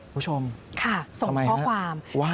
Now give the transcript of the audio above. ผู้ชมทำไมนะว้าวค่ะส่งข้อความ